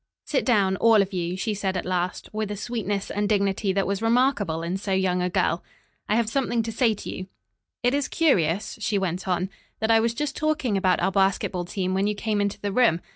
"Sit down, all of you," she said at last, with a sweetness and dignity that was remarkable in so young a girl. "I have something to say to you. It is curious," she went on, "that I was just talking about our basketball team when you came into the room.